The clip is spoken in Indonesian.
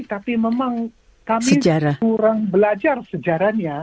tapi memang kami kurang belajar sejarahnya